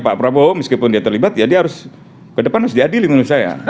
pak prabowo meskipun dia terlibat ya dia harus ke depan harus diadili menurut saya